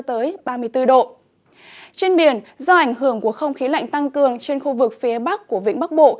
trên biển do ảnh hưởng của không khí lạnh tăng cường trên khu vực phía bắc của vĩnh bắc bộ